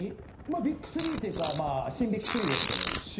ＢＩＧ３っていうか新ＢＩＧ３ですけど今。